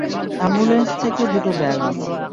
Ambulance থেকে দুটো bag আনো।